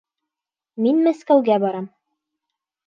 Мин Мәскәүгә барам.